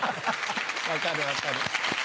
分かる分かる。